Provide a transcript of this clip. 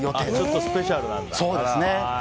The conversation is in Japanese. スペシャルなんだ。